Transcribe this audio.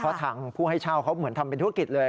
เพราะทางผู้ให้เช่าเขาเหมือนทำเป็นธุรกิจเลย